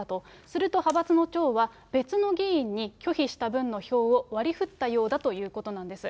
すると派閥の長は、別の議員に拒否した分の票を割りふったようだということなんです。